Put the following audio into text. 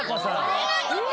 えっ？